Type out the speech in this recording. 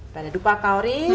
pada dupa kawari